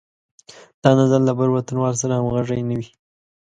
دا نظر له بل وطنوال سره همغږی نه وي.